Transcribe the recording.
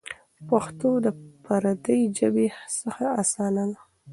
پښتو د پردۍ ژبې څخه اسانه ده.